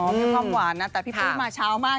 มีความหวานนะแต่พี่ปุ้ยมาเช้ามาก